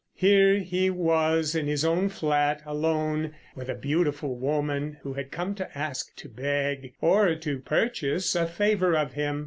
Here he was in his own flat, alone, with a beautiful woman who had come to ask, to beg, or to purchase a favour of him!